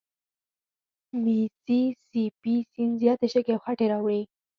میسي سي پي سیند زیاتي شګې او خټې راوړي.